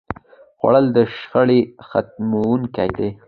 خوړل د شخړې ختموونکی دی